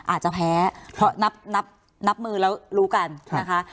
อาจจะแพ้เพราะนับนับมือแล้วรู้กันนะคะ